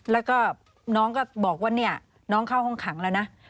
แล้วก็น้องก็บอกว่าเนี่ยน้องเข้าห้องขังแล้วนะ